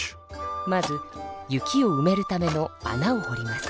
まず雪をうめるためのあなをほります。